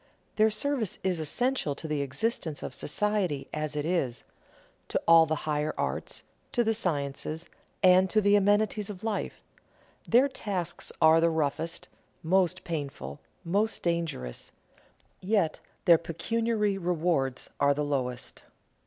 Their service is essential to the existence of society as it is, to all the higher arts, to the sciences, and to the amenities of life; their tasks are the roughest, most painful, most dangerous; yet their pecuniary rewards are the lowest.